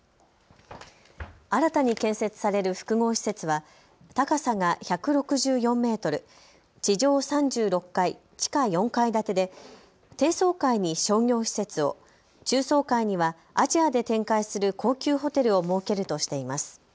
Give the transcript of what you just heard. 新たに建設される複合施設は高さが１６４メートル、地上３６階、地下４階建てで低層階に商業施設を、中層階にはアジアで展開する高級ホテルを設けるとしています。